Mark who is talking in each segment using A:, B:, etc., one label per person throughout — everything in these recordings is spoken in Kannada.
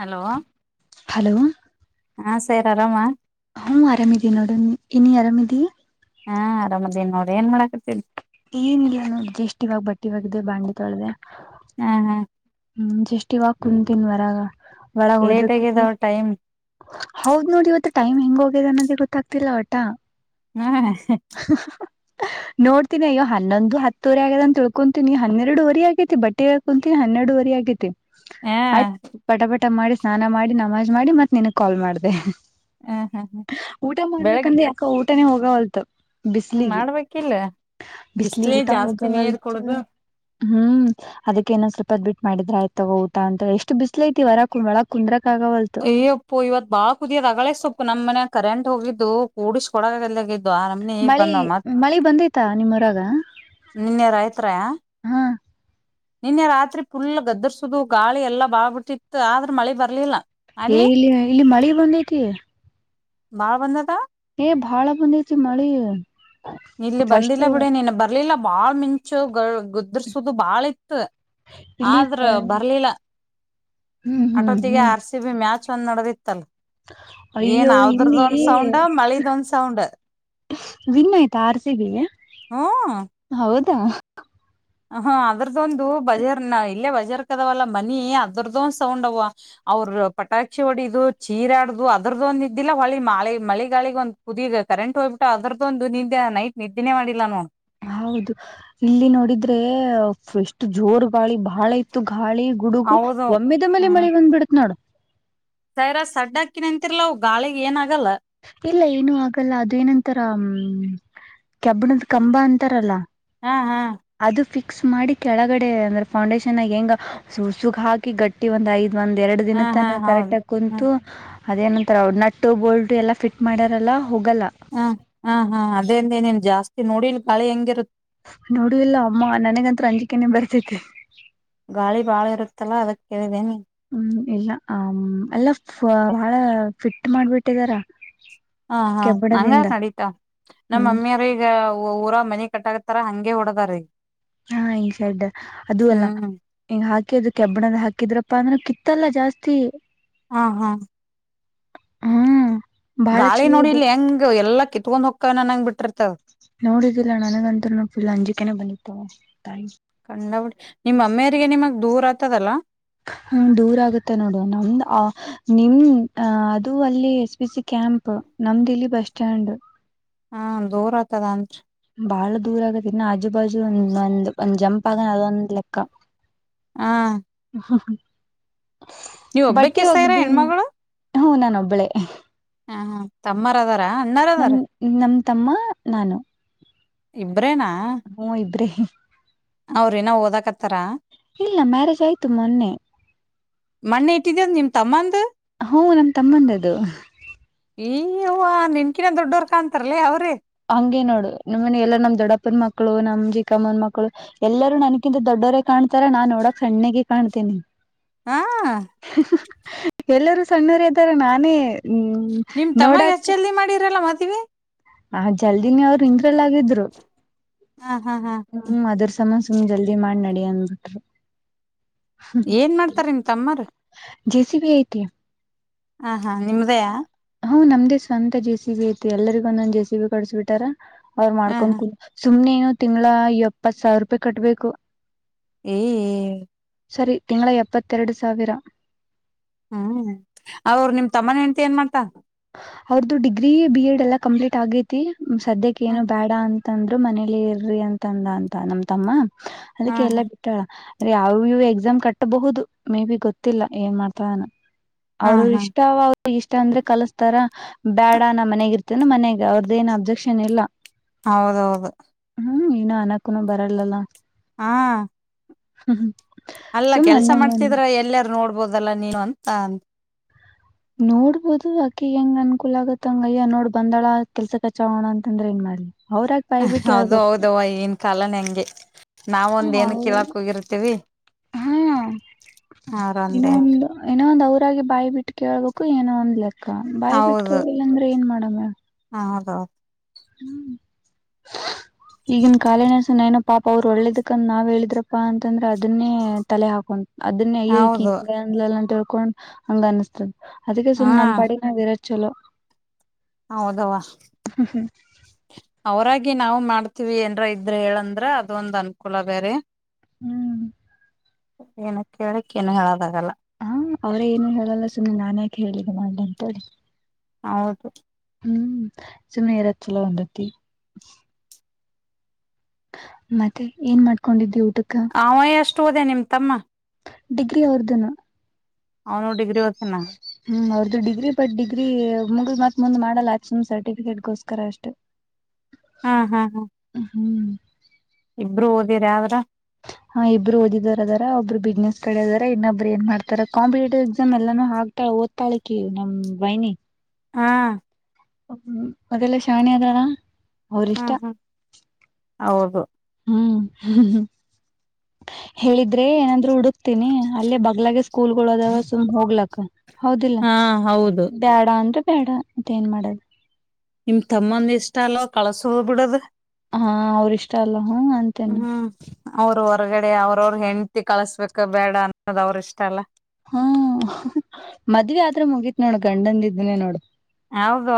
A: ಹಲೋ
B: ಹಲೋ
A: ಹಾ ಸರ್ ಆರಾಮ
B: ಹ್ಮ ಆರಾಮಿದಿ ನೋಡು ನೀನು ಆರಾಮಿದಿ
A: ಹಾ ಆರಾಮದೇನ್ ನೋಡಿ ಏನ್ ಮಾಡಾಕತಿ
B: ಈಗ್ [inaudible] ಜೇಷ್ಟ್ ಇಿವಾಗ ಬಟ್ಟೆವಾಗಾಗಿದೆ ಬಾಂಡಿ ತೊಳ್ದ
A: ಹ್ಮ್ ಹ್ಮ್
B: ಹ್ಮ ಜಸ್ಟ್ ಇವಾಗ ಕುಂತೀನ್ ವರಾಗ ಒಳಗ್ ಹೋದ್ರ
A: ಲೇಟ್
B: ಕೂತಿ
A: ಆಗ್ಯದಾವ ಟೈಮ್
B: ಹೌದ ನೋಡಿ ಇವತ್ತ ಟೈಮ್ ಹೆಂಗ ಹೋಗ್ಯದ ಅನ್ನೋದೇ ಗೊತ್ತಾಗ್ತಿಲ್ಲ ಆಟ
A: ಹ್ಮ
B: ಹ ನೋಡ್ತಿನಿ ಅಯ್ಯೋ ಹನ್ನೊಂದು ಹತ್ತುವರೆ ಆಗದ ಅ ತಿಳ್ಕೊಂತತನಿ ಹನ್ನೆರಡುವರೆ ಆಗೇತಿ ಬಟ್ಟೆ ಹಾಕೊಂತಿನನಿ ಹೆರವರೆರಿ. ಫ್ರೀಯಾಗಿದ್ದೆ
A: ಹ
B: ಆಯ್ತ್ ಪಟಪ ಊಟ ಮಾಡಿ ಸ್ನಾನ ಮಾಡಿ ನಮಾಜ್ ಮಾಡಿ ಮತ್ತತ್ ನಿನ ಕಾಲ್ ಮಾಡ್ದ
A: ಹ ಹ
B: ಊಟ
A: ಬೆಳಗ್
B: ಮಾಡ್ಬೇಕಂದ್ರೆ ಯಾಕ ಊಟನೇ ಹೋಗವಲ್ತ್
A: ಮಾಡ್ಬೇಕಿಲ್ಲ
B: ಬಿಸಿಲಿ
A: ಬಿಸ್ಲೇ
B: ಊಟ
A: ಜಾಸ್ತಿ ನೀರ್
B: ಹೋಗವಲ್ತ್
A: ಕುಡುದು
B: ಹ್ಮ್ ಅದಕ್ಕೆ ನೊಂದ್ ಸ್ವಲ್ಪದ್ ಬಿಟ್ಟ ಮಾಡಿದ್ರ ಆಯ್ತವ ಊಟ ಅಂತ ಎಷ್ಟ ಬ್ಲ ಐತಿವರ ಕುಳ ಕುಂದ್ರಕ್ ಆಗವಲ್ತು
A: ಯ್ಯಪ್ಪು ಇವತ್ ಬಾಳ ಕುದಿಯೋದ ಅಗಳಸೊಪ್ಪು ನಮ್ಮ್ನ ಕರೆಂಟ್ ಹೋಗಿದ್ದು ಕೂಡಿಸ್ಕ ಕೊಡಗದಾಗು
B: ಮಳಿ ಮಳಿ ಬಂದೈತಾ ನಿಮ್ಮ ಹೊರಾಗ
A: ನಿನ್ಯಾರ ಆಯ್ತ್ರ ನಿನ್ನೆ ರಾತ್ರಿ ಫುಲ್ ಗದ್ದರ್ಸುದು ಗಾಳಿ ಎಲ್ಲಾ ಬಾಬಿಟ್ಟಿತ್ತು ಆದ್ರ ಮಳೆ ಬರ್ಲಿಲ್ಲ
B: ಏ
A: ಅಲ್ಲಿ
B: ಇಲ್ಲಿ ಇಲ್ಲಿ ಮಳೆ ಬಂದೈತಿ
A: ಬಾ ಬಂದದ
B: ಏ ಬಾಳ ಬಂದ ಐತಿ ಮಳಿ
A: ಇಲ್ಲಿ
B: ಫಸ್ಟ್
A: ಬಂದಿಲ್ಲ ಬಿಡಿ ನೀನ್ ಬರ್ಲಿಲ್ಲ ಬಾಳ್ ಮಿಂಚು ಗ ಗುದದರ್ಸೋದು ಬಾಳ ಇ
B: ಇಲ್ಲಿ
A: ಆದ್ರ
B: ಹ್ಮ್
A: ಬರ್ಲಿಲ್ಲ
B: ಹ್ಮ್
A: ಅಟೋತ್ತಿಗೆ
B: ಹ್ಮ್
A: ಆರ್ ಸಿ ಬಿ ಮ್ಯಾಚ್ ಚ ಒಂದ್ ನಡದಿತ್ತಲ್ ಏನ್
B: ಅಯ್ಯೋ
A: ಅವ್ರದ
B: ಇಲ್ಲಿ
A: ಒಂದ್ ಸೌಂಡ್ ಮಳಿದ್ ಒಂದ್ ಸೌಂಡ್
B: ವಿನ್ ಆಯ್ತಾ ಆರ್ಸಿಗೆಗೆ
A: ಹ್ಮ
B: ಕತ್ತ
A: ಹ ಅದ್ರದ್ದೊಂದು ಬಜಾರ್ ನ ಇಲ್ಲೇ ಬಜಾರ್ ಕದಾವಲ್ಲ ಮನಿ ಅದ್ರದೊಂದ್ ಸೌಂಡ್ ಅವವ ಅವ್ರ ಪಟಾಕ್ಷಿ ಹೊಡಿದು ಚೀರಾಡ್ದು ಅದ್ರದ್ದ ಒಂದ ಇದಿಲ್ಲ ಹೊಳಿ ಮಳೆ ಮಳೆಗಾಳಿಗೆ ಒಂದು ಕುದ ಕರೆಂಟ್ ಹೋಗ್ ಅದ್ದ ಒಂದು ನಿೆ ನೈಟ್ ನಿದ್ದೆೇ ಮಾಡಿಲ್ಲ ನೋಡ್
B: ಹೌದು ಇಲ್ಲಿ ನೋಡಿದ್ರೆ ಫಷ್ಟ್ ಜೋರ್ ಬಾಳಿ ಬಾಳ ಇತ್ತು ಹಾಳಿ ಗುಡುಗು
A: ಹೌದು
B: ಒಮ್ಮೆದ ಮೇಲೆ
A: ಹ್ಮ್
B: ಮಳೆ ಬಂದ್ಬ ಬಿಡತ್ ನೋಡು
A: ಸೈರ ಸಡ್ ಹಾಕಿನಂತಿರ್ವು ಗಾಳಿಗೆ ಏನ ಆಗಲ್ಲ
B: ಇಲ್ಲ ಏನು ಆಗಲ್ಲ ಅದೇಏನಂತಾರ ಹ್ಮ್ ಕೆಬ್ಬಣದ ಕಂಬ ಅಂತಾರಲ್ಲ
A: ಹಾ ಹಾ
B: ಅದು ಫಿಕ್ಸ್ ಮಾಡಿ ಕೆಳಗಡೆ ಅಂದ್ರೆ ಫೌಂಡೇಶನ್ ಹೆಂಗ ಸಸುಗ ಹಾಕಿ ಗಟ್ಟಿ ಒಂದ್ ಐದು. ಒಂದ್ ಎರಡು
A: ಹಾ
B: ದಿನ
A: ಹಾ
B: ತನ
A: ಹೌದು
B: ಕರೆಕ್ಟ್ ಆಗ
A: ಹ್ಮ್
B: ಕುಂತು. ಅದೇನಂತರ ಅವ ನಟ್ಟು ಬೋಲ್ಡ್ ಎಲ್ಲಾ ಫಿಟ್ ಮಾಡಾರಲ್ಲ.
A: ಹ ಹಾ ಹಾ ಅದೇದ ನನ್ ಜಾಸ್ತಿ ನೋಡಿನ್ ಕಾಳಿ ಹೆಂಗಿರುತ್ತ
B: ನೋಡ ಇಲ್ಲ ಅಮ್ಮ ನನಗಂತೂ ಅಂಜಿಕೆನೇ ಬರ್ತೇತಿ
A: ಗಾಳಿ ಬಾಳ ಇರುತ್ತಲ್ಲಾ ಅದ ಕೇಳಿದ್ದೇನೆ
B: ಹ್ಮ್ ಇಲ್ಲ ಹ ಎಲ್ಲ ಬಾಳ ಫಿಟ್ ಮಾಡ್ಬಿಟ್ಟಿದಾರ.
A: ಹಾ ಹಾ ನಂಗ
B: ಕೆಬ್ಬಣದಿಂದ
A: ನಡೀತ ನಮ್ಮ
B: ಹ್ಮ್
A: ಅಮ್ಮಿಯ್ರ ಈಗ ಊರ ಮನೆ ಕಟ್ಟಕ ತರ ಹಂಗೆ ಹೊಡದ ರೀ
B: ಹಾ ಈ ಶರ್ಡ ಅದ ಅಲ್ಲ
A: ಹ್ಮ್
B: ಹಂಗ ಹಾಕ ದು ಕೆಬ್ಬಣದ ಹಾಕಿದ್ರಪ್ಪಾ ಅಂದ್ರೆ ಕಿತ್ತಲ್ಲ ಜಾಸ್ತಿ
A: ಹಾ ಹಾ
B: ಹ್ಮ್ ಬಹಳ
A: ಗಾಳಿ
B: ಚಲೋ ಅದು
A: ನೋಡಿಲ್ ಹೆಂಗ ಎಲ್ಲಾ ಕಿತ್ಕೊಂಡ್ ಹೊಕ್ಕ ನನಂಗ್ ಬಿಟ್ಟಿರ್ತ
B: ನೋಡಿದ್ದಿಲ್ಲ ನನಗಂತ್ರನು ಫುಲ್ ಅಂಜಕನೆ ಬಂದಿತ್ತುವ ತಾಯಿ
A: ಕಂಡಬಡಿ ನಿಮ್ಮ ಅಮ್ಮಿಯರಿಗೆ ನಿಮಗ್ ದೂರ್ ಆಗ್ತದಲ್ಲ
B: ಹ್ಮ ದೂರ ಆಗುತ್ತೆ ನೋಡು ನಮ್ದ ನಿಮ್ ಅ ಅದು ಅಲ್ಲಿ ಎಸ್ ಬಿ ಕ ಕ್ಯಾಂಪ್ ನಮ ದಿಲ್ಲಿ ಬಸ್್ಟಾಂಡ್
A: ಹಾ ದೂರ ಆಗ್ತದ ಅಂರಿ
B: ಬಾಳ ದೂರ ಆಗತ್ತಿನ ಆಜು ಬಾಜು ಒಂದ ಒಂದ್ ಒಂದ್ ಜಂಪ್ ಆಗಾನ ಅದೊಂದ್ ಲೆಕ್ಕ
A: ಹ್ಮ
B: ಬಟ್ಟಿ
A: ಸೈರ
B: ಒಗ್ದೀನ್
A: ಹೆಣ್ಮಗಳು
B: ಹ್ಮ ನಾನ ಒಬ್ಬಳೆ
A: ಹಾ ತಮ್ಮಾರ್ ಅದಾರ ಅಣ್ಣಾರ
B: ನಮ್
A: ಅದಾರ
B: ನಮ್ ತಮ್ಮ ನಾನು
A: ಇಬ್ರೇನಾ
B: ಹ್ಮ ಇಬ್ರೇ
A: ಅವ್ರ ನ ಓದಕತ್ತಾರ
B: ಇಲ್ಲ ಮ್ಯಾರೇಜ್ ಆಯ್ತು ಮೊನ್ನೆ
A: ಮಣ್ಣೆ ಇಟ್ಟಿದ್ಯ ನಿಮ್ ತಮ್ಮಂದ
B: ಹ ನಮ ತಮ್ಮಂದ್ದು
A: ಈ ಅವ ನಿನ್ಕಿನ ದೊಡ್ಡವರ್ ಕಾಣಂತಾರಲ ಅವ್ರೇ
B: ಹಂಗೆ ನೋಡು ನಮ್ನೆ ಎಲ್ಲಾ ನಮ್ ದೊಡಪ್ಪನ ಮಕ್ಕಳು ನಮ್ ಜಿಿಕಮ್ಮನ ಮಕ್ಕಳು ಎಲ್ಲರೂ ನನಕಿಂತ ದೊಡ್ಡ ದಡೋರೆ ಕಾಣ್ತಾರ ನಾನ್ ನೋಡಕ್ ಸಣ್ಣಗೆ ಕಾಣ್ತೀನಿ
A: ಹಾ
B: ಎಲ್ಲರೂ ಸಣ್ಣರ ಇದ್ದಾರ ನಾನೇ ಹ್ಮ್
A: ನಿಮ್ ತಮ್ಮಗೆ ಎಷ್ಟ ಜಲ್ದಿ ಮಾಡಿರಲ್ಲ ಮತವಿ
B: ಹ ಜಲ್ದಿನೇ ಅವರು ಇಿಂದ್ರಲ್ಲ ಆಗಿದ್ರು
A: ಹ ಹಾ ಹಾ
B: ಹ್ಮ್ ಅದ್ರಸ ಸುಮ್ ಜಲ್ದಿ ಮಾಡಿ ನಡಿ ಅಂದ್ಬಿಟ್ರು
A: ಏನ್ ಮಾಡ್ತಾರ ನಿಮ ತಮ್ಮರ
B: ಜೆ ಸಿ ಬಿ ಆಐತಿ
A: ಹಾ ಹಾ ನಿಮ್ದಯ
B: ಹ್ ನಮ್ದೇ ಸ್ವಂತ ಜೆ ಸಿ ಬಿ ಐತಿ ಎಲ್ಲರಿಗೊಂದೊ್ ಜೆ ಸಿ ಬಿ ಕೊಡಸ್ಬಿಟಾರ ಅವ್ರ ಮಾಡ್ಕೊಂಡ್
A: ಹಾ
B: ಕುೂ ಸುಮ್ನೆೇನು ತಿಂಗ್ಗಳ ಎಪ್ಪತ್ ಸಾವಿರ ರೂಪಾಯಿ ಕಟ್ಬೇಕು
A: ಏ
B: ಸರಿ ತಿಂಗಳ ಎಪ್ಪತ್ತೆರಡು ಸಾವಿರ
A: ಹ್ಮ್ ಅವರು ನಿಮ್ ತಮ್ಮನ ಹೆಂಡತಿ ಏನ್ ಮಾಡಾ್ತಾ
B: ಅವ್ರ್ದು ಡಿಗ್ರಿ ಬಿ ಎಡ್ ಎಲ್ಲಾ ಕಂಪ್ಲೀಟ್ ಆಗೇತಿ ಸದ್ಯ ಏನು
A: ಹ
B: ಬೇಡ ಅಂತ ತಂದ್ರು ಮನೇಲಿ ಇರ್ರಿ ಅಂತಂದ ಅಂತ ನಮ ತಮ್ಮ ಅದಕ್ಕೆ ಎಲ್ಲಾ
A: ಹಾ
B: ಬಿಟ್ಟಳ ಅಂದೆ ಯಾವವು ಎಕ್ಸಾಮ್ ಕಟ್ಟಬಹುದು ಮೇ ಬಿ ಗೊತ್ತಿಲ್ಲ ಏನ್ ಮಾಡ್ತಾವಾನ ಅವ್ರ
A: ಹಾ
B: ಇಷ್ಟ ಅವ ಇಷ್ಟ ಅಂದ್ರೆ ಕಲಸ ರ ಬ್ಯಾಡ ನ ಮನೆಗ ಇರ್ತೇನ ಮನೆಗ್ ಅವ್ರದ ಏನ್ ಅಬ್ಜೆಕ್ಷನ್ ಇಲ್ಲ
A: ಹೌದೌದು
B: ಹ್ಮ್ ಇನ್ನು ಅನಕ್ಕನೂ ಬರಲ್ಲಲ್ಲಾ
A: ಹಾ
B: ಹ್ಮ್ ಹ್ಮ್
A: ಅಲ್ಲ ಕೆಲ್ಸ ಮಾಡ್ತಿದ್ರ ಎಲ್ಲಾರು ನೋಡ್ಬೋದಲ್ಲಾ ನೀನು ಅಂತ ಅಂತ
B: ನೋಡ್ಬೋದು ಆಕೆ ಹೆಂಗ್ ಅನ್ಕೂಲ ಆಗುತ್ತ ಹಂಗ ಅಯ್ಯ ನೋಡ್ ಬಂದಾಳ ಕೆಲ್ಸ ಕಚಾಗೋಣ ಅಂತಂದ್ರೆ ಏನ್ ಮಾಡ್ಲಿ ಅವ್ರಾಗ ಬಾಯಿ ಬಿಟ್ಟು
A: ಅದು
B: ಹೇಳ್ಬೇಕು
A: ಹೌದವ ಈನ್ ಕಾಲನ ಹೆಂಗೆ ನಾವೊಂದ ಏನ್ ಕಳಕ್ ಹೋಗಿರ್ತೀವಿ
B: ಹಾ
A: ಆರೊಂದೇ
B: ಇನ್ನ ಒಂದ ಅವ್ರಾಗಿ ಬಾಯಿ ಬಿಟ್ಟು ಕೇೇಳಬೇಕು ಏನೋ ಒಂದ್ ಲೆಕ್ಕ ಬಾಯಿ ಬಿಟ್ಟು ಕೇಳಿಲ್ಲ ಅಂದ್ರೆ ಏನ್ ಮಾಡೋ ಮ
A: ಹೌದೌ
B: ಹ್ಮ ಈಗನ್ ಕಾಲಿನಸ ಏನಪ್ಪ ಪಾಪ ಅವ್ರು ಒಳ್ಳೇದಕಂದ ನಾವ್ ಹೇಳಿದ್ರಪ್ಪಾ ಅಂತಂದ್ರೆ ಅದನ್ನೇ ತಲೆ ಹಾಕೊಂಡಂು ಅದನ್ನೇಯ್ಯ ಇ ಈಕ
A: ಹೌದು
B: ಹಿಂಗ ಅಂದ್ಲಲ್ಲ ಅಂತ ಹೇಳ್ಕೊಂಡ್ ಹಂಗ ಅನಿಸಸ್ತದ ಅದಕ್ಕೆ ಸುಮ್
A: ಹಾ
B: ನಮ್ಮ ಪಾಡ ನಾರ ಚಲೋ
A: ಹೌದವಾ ಅವರಾಗಿ ನಾವು ಮಾಡ್ತೀವಿ ಏನ್ರ ಇದ್ರೆ ಹೇಳಂದ್ರ ಅದೊಂದ್ ಅನುಕೂಲ ಬೇರೆ
B: ಹ್ಮ್
A: ಏನ ಕೇಳಕ್ಕ ಏನು ಹೇಳದಾಗಲ್ಲ
B: ಹಾ ಅವ್ರೇ ಏನು ಹೇಳಲ್ಲ ಸುಮ್ಮನೆ ನಾನಯಕೆ ಹೇಳಿದೆ ಮಾಡೆ ಅಂತೇಳಿ
A: ಹೌದು
B: ಹ್ಮ್ ಸುಮ್ನಿರದ ಚಲ ಒಂದತಿ ಮತ್ತೆ ಏನ್ ಮಾಡ್ಕೊಂಡಿದ್ದೆ ಟ
A: ಅವ ಅಷ್ಟು ಹೋದೆ ನಿಮ್ಮ ತಮ್ಮ
B: ಡಗ್ರಿ ಓದ್ಯಾನ
A: ಅವನು ಡಿಗ್ರಿ ಓದ್ಯಾನ
B: ಹ್ಮ್ ಅವ್ರದ್ದು ಡಿಗ್ರಿ ಬಟ್ ಡಿಗ್ರಿ ಮುಗ್ ಮತ್ ಮುಂದ್ ಮಾಡಲ್ಲ ಆತ್ ಸಮ್ ಸರ್ಟಿಫಿಕೇಟ್ಗೋಸ್ಕರ ಅಷ್ಟು
A: ಹ್ಮ್ ಹ್ಮ್ ಹ್ಮ್
B: ಹ್ಮ್
A: ಇಬ್ರು ಓದಿರ ಯಾವ್ರ
B: ಹ ಹ ಇಬ್ರು ಓದಿದಾರ ಅದಾರ ಒಬ್ರು ಬಿಸ್ನೆಸ್ ಕಡೆದ ಇನ್ನೊಬ್ರು ನ್ ಮಾಡ್ತಾರೆ ಕಂಪಿಟೇಟಿವ್ ಎಸ್ ಎಲ್ಲನೂ ಹಾಕ್ತಾ ಓದ್ತಾಳಕ್ಕೆ ನಮ್ ಬೈನಿ
A: ಹ್ಮ
B: ಹ್ಮ ಅದೆಲ್ಲ ಶಾಣಿ ಅದಾರ ಅವರಿ
A: ಹಾ
B: ಇಷ್ಟ
A: ಹಾ ಹೌದು
B: ಹ್ಮ್ ಹ್ಮ್ ಹ್ಮ್ ಹೇಳಿದ್ರೆ ಏನಂದ್ ಹುಡುಕ್ತೀನಿ ಅಲ್ಲೇ ಬಗ್ಲಾಗ ಸ್ಕೂಲ್ ದಾವ ಸುಮ ಹೋಗ್ಲಕ್ಕ ಹೌದಿಲ್ಲ
A: ಹಾ ಹೌದು
B: ಬ್ಯಾಡ ಅಂದ್ರೆ ಬೇಡ ಅಂತ ಏನ್ ಮಾಡದು
A: ನಿಮ್ ತಮ್ಮಂದ ಇಷ್ಟ ಅಲ್ವ ಕಳಸ ಹೋದ್ ಬಿಡದ್
B: ಹಾ ಅವ್ರ ಇಷ್ಟ ಅಲ್ಲ ಹ್ಮ ಅಂತೇನೆ
A: ಹ್ಮ್ ಅವ್ರ ಹೊರಗಡೆ ಅವ್ರವರು ಹೆಂಡತಿ ಕಳಸ್ಬೇಕ ಬೇಡ ಅನ್ನೋದ ಅವರು ಇಷ್ಟ ಅಲ್ಲ
B: ಹ್ಮ ಮದ್ವೆ ಆದತ್ರ ಮುಗೀತ್ ನೋಡು ಗಂಡಂದಿದ್ದನನೆ ನೋಡು
A: ಹೌದು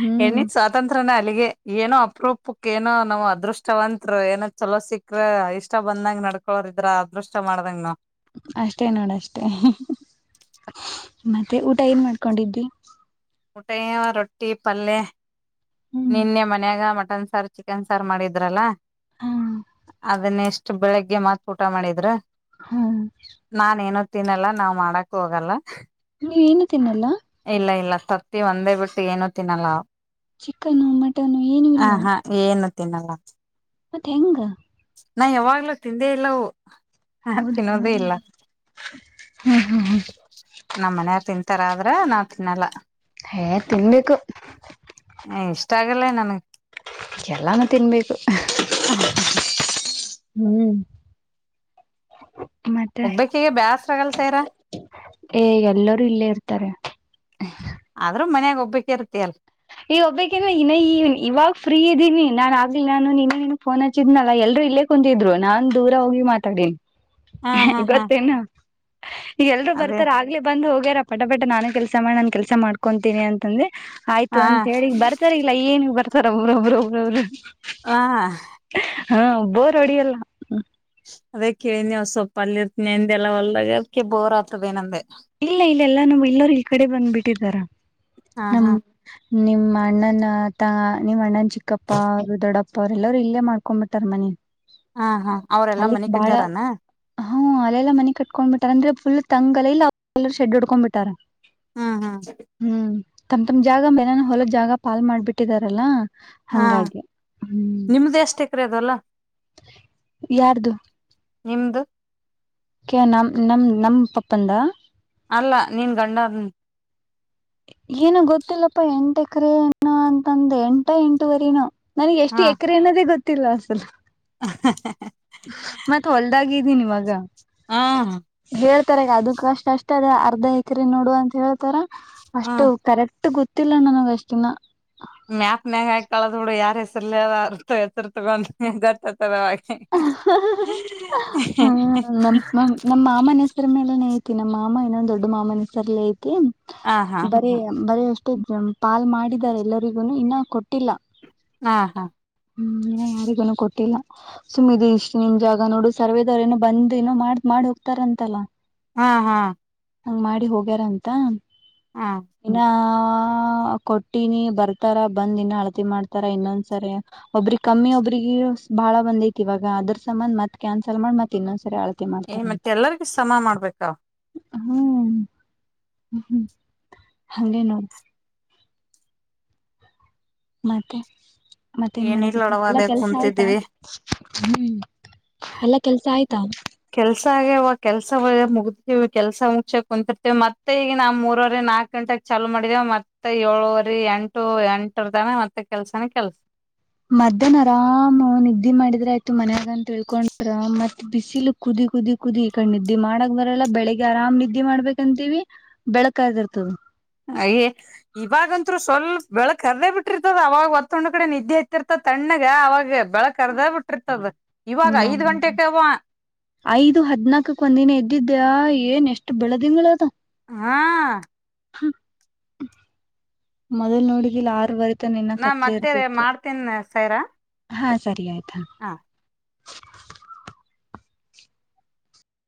B: ಹ್ಮ್
A: ಹೆಣ್ಣಿ ಸ್ವಾತಂತ್ರ್ಯನ ಅಲ್ಲಿಗೆ ಏನೋ ಅಪ್ರೂಪ ನೋ ನಾವ್ ಅದೃಷ್ಟವತ್ರು ಏನೋ ಚಲೋ ಸಿಕ್ಕ್ರ ಇಷ್ಟ ಬಂದಂಗ ನಡ್ಕೊರ್ ಇದ್ರ ಅದೃಷ್ಟ ಮಾಡ್ದಂಗ ನವು
B: ಅಷ್ಟೇ ನೋಡ ಅಷ್ಟೇ ಮತ್ತೆ ಊಟ ಏನ್ ಮಾಡ್ಕೊಂಡಿದ
A: ಊಟಾಯ ರೊಟ್ಟಿ ಪಲ್ಯ
B: ಹ್ಮ್
A: ನಿನ್ನೆ ಮನ್ಯಾಗ ಮ ಮಟನ್ ಸಾರು ಚಿಕನ್ ಸಾರು ಮಾಡಿದ್ರಲ್ಲಾ
B: ಹಾ
A: ಅದನ್ನ ಎಷ್ಟು ಬೆಳಿಗ್ಗೆ ಮತ್ತೆ ಊಟ ಮಾಡಿದ್ರ
B: ಹ್ಮ
A: ತಿನಲ್ಲ ನಾವ್ ಮಾಡಕ್ ಹೋಗಲ್ಲ
B: ನೀವೇನು ತಿನ್ನಲ್ಲ
A: ತಿ ಒಂದೇ ಬಿಟ್ಟು ಏನು ತಿನ್ನಲ್ಲ
B: ಚಿಕನು ಮಟನ್ನು ಏನು ಇಲ್ವಾ
A: ತಿನ್ನಂಗ
B: ಮತ್ತ ಹೆಂಗ
A: ನಾ ಯಾವಾಗ್ಲೂ ತಿಂದೇ ಇಲ್ಲವು ಹ
B: ಹೌದಾ
A: ತಿನ್ನೋದ ಇಲ್ಲ ನಮ್ಮ ಮನಯರ ತಿನ್ ತರ ಆದ್ರ ನಾವವು ತಿನ್ನಲ್ಲ
B: ಹಏ ತಿನ್ಬೇಕು
A: ಲ್ಲ ನನ
B: ಎಲ್ಲಾನು ತಿನ್ಬೇಕು ಹ್ಮ್ ಮತ್ತೆ
A: ಒಬ್ಬಕ್ಕಿಗೆ ಬ್ಯಾಸ್ರ ಆಗಲ್ ಸೈರ
B: ಏ ಎಲ್ಲರೂ ಇಲ್ಲೇ ಇರ್ತಾರೆ
A: ಆದ್ರೂ ಮನ್ಯಾಗ ಒಬ್ಬಕ ಇರ್ತಿ ಅಲ್
B: ಈ ಒಬ್ಬೇ ಇನ್ನ ಇವಾಗ ಫ್ರೀ ಇದೀನಿ ನಾನನ್ ಆಲ್ಲ ನಾನು ನಿನ್ನನು ಫೋನ್ ಹಚಿದ್ನಲ್ಲ ಎಲ್ರ ಇಲ್ಲೇ ಕುಂತಿದ್ರು ನಾನ್ ದೂರ ಹೋಗಿ ಮಾತಾಡ
A: ಹಾ ಹಾ ಹಾ
B: ಗೊತ್ತೇನು ಈಗ ಎಲ್ರೂ
A: ಅದೇ
B: ಬರ್ತಾರ ಆಗ್ಲೇ ಬಂದ ಹೋಗ ಹಗಾರ ಪಟ ಪಟ್ಟ ನಾನು ಕೆಲ್ಸ ಮಾಡಿ ನಾನ್ ಕೆಸ ಮಾಡ್ಕೊಂತೀನಿ ಅಂತಂದ್ರೆ
A: ಹಾ
B: ಅಂತ ಹೇಳಿಗ್ ಬರ್ತಾರ ಇಲ್ಲಾ ಏನಗ್ ಬರ್ತಾರ ಒಬ್ರೊಬ್ ಒಬ್ರೊಬ್ರು
A: ಆ
B: ಹಾ ಒಬ್ಬೋರ್ ಅಡಿಯಲ್ಲ
A: ಅದೇ ಕೇಳಿನಿವ್ ಸೊಪ್ಪಪ ಅಲ್ಲಿ ನೆಂದೆಲ್ಲ ಒಳ್ಳ ಅದಕ್ಕೆ ಬೋರ್ ಆತದೆಏನಂದ
B: ಇಲ್ಲ ಇಲ್ಲ ಎಲ್ಲಾ ನಮ್ ಎಲ್ಲರು ಈ ಕಡೆ ಬಂದ್ಬಿಟ್ಟಿದಾರ
A: ಹಾ
B: ನಮ್ಮ
A: ಹಾ
B: ನಿಮ್ಮ ಅಣ್ಣನ ತ ನಿಮ್ಮ ಅಣ್ಣನ ಚಿಕ್ಕಪ್ಪ ಅವರು ದೊಡ್ಡಪ್ಪ ಅವರೆಲ್ಲರರು ಇಲ್ಲೇ ಮಾಡ್ಕೊ ಬಿಟಾರ ಮನೆ
A: ಹಾ ಹಾ ಅವ್ರೆಲ್ಲಾ
B: ಅಲ್ಲಿಕ್
A: ಮನಿ
B: ಬಾಳ
A: ಕಟ್ಟ್ಯಾರನ
B: ಹ ಅಲ್ಲೆಲ್ಲ ಮನೆ ಕಟ್ಕೊಂಡ್ ಬಿಟ್ಟಾರ ಅಂದ್ರೆ ಫುಲ್ ತಂಗಲ ಅವರು ಶಷೆಡ್ ಎಡುಕೊಂಡ ಬಿಟ್ಟಾರ
A: ಹಾ ಹಾ
B: ಹ್ಮ್ ತಮ್ ತಮ್ ಜಾಗ ಮೇನಾನ ಹೊಲದ್ ಜಾಗ ಪಾಲ್ ಮಾಡ್ಬಿಟ್ಟಿದಾರಲ್ಲಾ
A: ಹಾ
B: ಹಂಗಾಗಿ ಹ್ಮ್
A: ನಿಮ್ದ ಎಷ್ಟ ಎಕ್ರಿ ಅದಲ್ಲ
B: ಯಾರ್ದು
A: ನಿಮ್ದು
B: ಕ ನಮ ನಮ ನಮ ಪಪ್ಪಂದ
A: ಅಲ್ಲ ನೀನ್ ಗಂಡಾದ
B: ಏನು ಗೊತ್ತಿಲ್ಲಪ್ಪಾ ಎಂಟ ಎಕರೆ ಎ್ಣ ಅಂತಂದ ಎಂಟ ಎಂಟುವರಿನು ನನಗೆ ಎಷ್ಟು ಎಕರೆ ಅನ್ನೋದೇ ಗೊತ್ತಿಲ್ಲ ಅಸಲ್
A: ಹ
B: ಮತ್ತ ಹೊಲ್ದಾಗಿದ್ದೀನಿ ಇವಾಗ
A: ಹಾ
B: ಅದ ಅಷ್ಟ ಅಷ್ಟ ಅದ ಅರ್ಧ ಎಕರೆ ನೋಡು ಅಂತ ಹೇಳ್ತಾರ
A: ಹಾ
B: ಅಷ್ಟು ಕರೆಕ್ಟ್ ಗೊತ್ತ ಗೊತ್ತಿಲ್ಲ ನನಗೆ ಅಷ್ಟಿನ
A: ಮ್ಯಾಕ್ನ್ಯಾಗ ಕಳದ ಹುಡು ಯಾರ ಹೆಸರ್ ಎತ್ತರ್ ತಗೊಂಡ ಗತ್ತ
B: ಹ್ಮ ನ ನಮ್ಮ ಮಾಮನಸ ಮೇಲನೆ ಐತಿ ನಮ್ಮ ಮಾಮ ಇನ್ನೊಂದ್ ದೊಡ್ಡ ಮಾಮನ ಸರ್ ಐತಿ
A: ಹ ಹಾ
B: ಬರೀ ಬರ ಅಷ್ಟೆ ಪಾಲ್ ಮಾಡಿದಿದ್ದಾರೆ ಎಲ್ಲರಿಗುನು ಇನ್ನ ಕೊಟ್ಟಿಲ್ಲ
A: ಹಾ ಹಾ
B: ಹ್ಮ್ ಇನ್ನ ಯಾರಿಗೂನು ಕೊಟ್ಟಿಲ್ಲ ಸುಮ್ಮಿದ ಇಷ್ಟ್ ನಿಮ್ ಜಾಗ ನೋಡು ಸರ್ವದವ್ರ ಏನೋ ಬಂದ್ಏನೋ ಮಾಡ್ ಮಾಡ್ ಹೋಗ್ತಾರಂತಲ್ಲ
A: ಹಾ ಹಾ
B: ಹಂಗ ಮಾಡಿ ಹೋಗ್ಯಾರ ಅಂತ
A: ಹಾ
B: ಇನ್ನ ಕೊಟ್ಟಿನಿ ಬರ್ತಾರ ಬಂದ್ ಇನ್ನು ಅಳತಿ ಮಾಡ್ತಾರ ಇನ್ನೊಂದ್ಸರಿ ಒಬ್ರಗ್ ಕಮ್ಮಿ ಒಬ್ರಿಗೆ ಬಾಳ ಬಂದೈಐತಿವ ಅದ್ರ್ ಸಮಂನ್ ಮತ್ ಕ್ಯಾನ್ಸಲ್ ಮಾಡ ಮತ್ ಇನ್ನೊಂದಸರಿ ಅ
A: ಏ ಮತ್ತೆಲ್ಲರಿಗೂ ಸಮ ಮಾಡ್ಬೇಕ
B: ಹ್ಮ್ ಹ್ಮ್ ಹಾಗೇ ನೋಡಿ ಮತ್ತೆ ಮತ್ತೇನ್ ಮಾಡ
A: ಏನಿಲ್ಲೊಡವ
B: ಎಲ್ಲಾ
A: ಅದೇ
B: ಕೆಲ್ಸ ಆಯ್ತಾ
A: ಕುಂತಿದ್ದೀವಿ
B: ಹ್ಮ
A: ಕೆಲ್ಸ ಆಗವ ಕೆಲ್ಸ ಒ ಮುಗ ನೀವು ಕೆಲ್ಸ ಮುಗಸಕ್ ಕುಂತಿರ್ತೇವಿ ಮತ್ತೆ ಈಗ ನಾವು ಮೂರವರೆ ನಾಕಕ್ ಗಂಟೆಗೆ ಚಾಲು ಮಾಡೇವೆ ಮತ್ತೆ ಏಳ ರಿ ಎಂಟು ಎಂಟರ್ದಾನ ಮತ್ತೆ ಕೆಲ್ಸನ ಕೆಲ್ಸ
B: ಮಧ್ಯಾಹನ ಆರಾಮ ನಿದ್ದೆ ಮಾಡಿದ್ರ ಆಯ್ತು ಮನ್ಯಾಗಂತ ಹೇಳ್ಕೊಂಡ ಮತ್ ಬಿಸಿಲು ಕುದ ಕುದಿ ಕುದಿ ಕುದಿ ಈ ಕ ನಿದ್ದೆ ಮಾಡಕ್ ಬರಲ್ಲ ಬೆಳಗ್ ಆರಾಮ್ ನಿದ್ದೆ ಮಾಡ್ಬೇಕಂತೀವಿ ಬೆಳಕ ಆ ಇರ್ತದ
A: ಅಯೇ ಇವಾಗತ್ರು ಸ್ವಲ್ಪ ಬೆಳಕ್ ಕರ್ದೇ ಬಿಟ್ಟಿರ್ತದ ಅವಾಗ ಒತ್ತಣ್ ಕಡೆ ನಿದ್ದೆ ಇತ್ತಿರ್ತದ ತಣ್ಣಗ ಅವಾಗ ಬೆಳಕ್ ಅರ್ದ ಬಿಟ್ಟಿರ್ತದ ಇವಾಗ
B: ಹ
A: ಐದ್ ಗಂಟೆಕವ
B: ಐದು ಹದ್ನಾಕಕ್ ಒಂದಿನ ಎ್ದದ್ದ ಅ್ಯಾ ಏನ್ ಎಷ್ಟು ಬೆಳೆದಿಂಗಳ ಅದ
A: ಹಾ.
B: ಮೊದಲ್ ನೋಡಿದಿಲ ಆರ್.
A: ನಾ ಮತ್ತೆರೆ ಮಾಡ್ತೀನ್ ಸೈರಾ.
B: ಹಾ ಸರಿ ಆಯ್ತು.
A: ಹಾ.